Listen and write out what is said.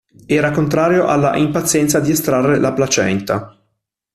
Era contrario alla impazienza di estrarre la placenta.